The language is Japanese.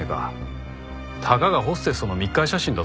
たかがホステスとの密会写真だぞ。